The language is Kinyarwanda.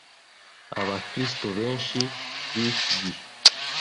Abakristo benshi b'iki gihe